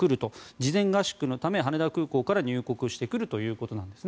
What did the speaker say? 事前合宿のため、羽田空港から入国してくるということです。